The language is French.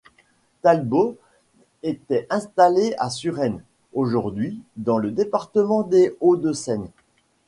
Talbot était installé à Suresnes, aujourd'hui dans le département des Hauts-de-Seine.